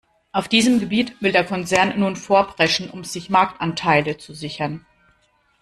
Auf diesem Gebiet will der Konzern nun vorpreschen, um sich Marktanteile zu sichern.